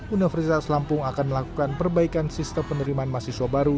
universitas lampung akan melakukan perbaikan sistem penerimaan mahasiswa baru